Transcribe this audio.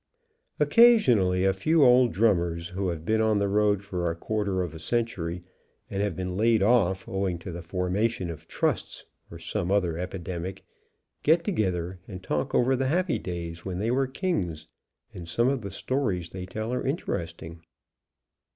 Occasionally a few old drummers, who have been on the road for a quarter of century and have been laid off, owing to the formation of trusts, or some other epidemic, get together and talk over the happy days when they were kings, and some of the stories they tell are interesting.